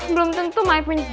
belum tentu maipun sedang